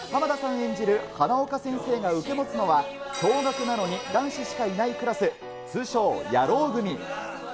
演じる花岡先生が受け持つのは、共学なのに男子しかいないクラス、通称野郎組。